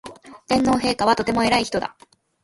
天皇陛下はとても偉い人だ